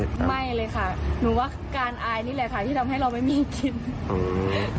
ไม่เลยค่ะหนูว่าการอายนี่แหละค่ะที่ทำให้เราไม่มีกินอืม